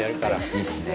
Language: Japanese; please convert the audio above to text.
いいですね